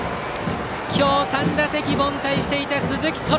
今日３打席凡退していた鈴木昊。